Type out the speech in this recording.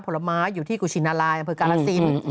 ผลม้าอยู่ที่กุชินารายน์คือการสิน